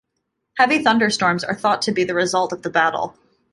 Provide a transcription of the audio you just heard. Heavy thunderstorms are thought to be the result of the battle.